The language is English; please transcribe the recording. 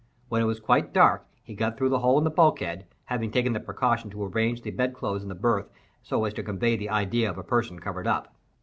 When it was quite dark, he got through the hole in the bulkhead, having taken the precaution to arrange the bedclothes in the berth so as to convey the idea of a person covered up.